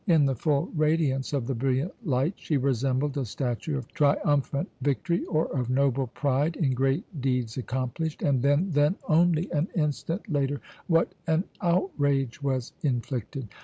In the full radiance of the brilliant light, she resembled a statue of triumphant victory or of noble pride in great deeds accomplished; and then, then, only an instant later, what an outrage was inflicted!